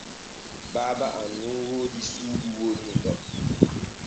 Baaba am nun woodi suudu wonnu ɗo.